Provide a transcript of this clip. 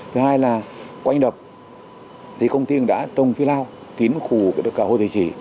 thứ hai là quanh đập thì công ty cũng đã trong phía lao kín khủ cả hồ thầy xỉ